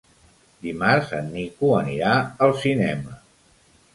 Dimarts en Nico anirà al cinema.